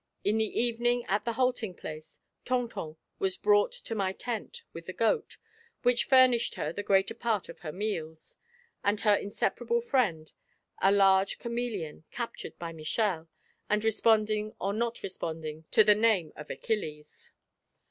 In the evening at the halting place, Tonton was brought into my tent, with the goat, which furnished her the greater part of her meals, and her inseparable friend, a large chameleon, captured by Michel, and responding or not responding to the name of Achilles.